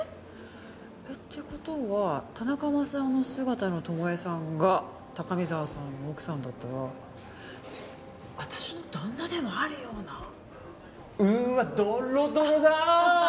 って事は田中マサオの姿の巴さんが高見沢さんの奥さんだったら私の旦那でもあるような。うっわドッロドロだ！